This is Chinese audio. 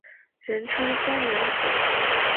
人称三娘子。